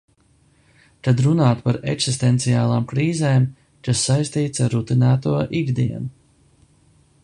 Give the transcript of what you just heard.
Kad runāt par eksistenciālām krīzēm, kas saistītas ar rutinēto ikdienu.